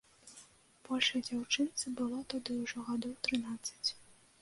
Большай дзяўчынцы было тады ўжо гадоў трынаццаць.